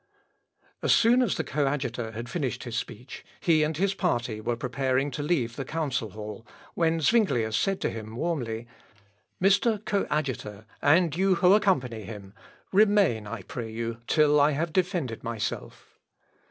As soon as the coadjutor had finished his speech, he and his party were preparing to leave the council hall, when Zuinglius said to him, warmly, "Mr. Coadjutor, and you who accompany him, remain, I pray you, till I have defended myself."